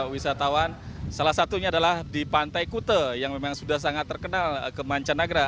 wisatawan salah satunya adalah di pantai kute yang memang sudah sangat terkenal ke mancanagra